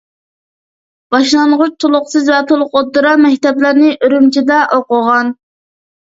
باشلانغۇچ، تولۇقسىز ۋە تولۇق ئوتتۇرا مەكتەپلەرنى ئۈرۈمچىدە ئوقۇغان.